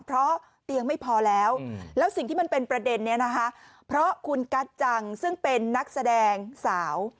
เพราะเตียงไม่พอแล้วแล้วสิ่งที่มันเป็นประเด็นนี้นะคะเพราะคุณกัจจังซึ่งเป็นนักแสดงสาว